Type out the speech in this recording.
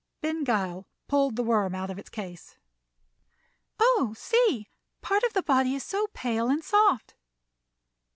Ben Gile pulled the worm out of its case. "Oh, see! part of the body is so pale and soft!"